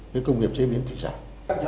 rồi công nghiệp chế biến thị trạng